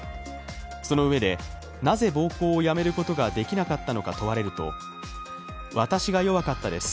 そのうえで、なぜ暴行をやめることができなかったのかと問われると私が弱かったです。